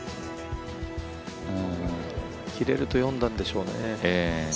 切れると読んだんでしょうね。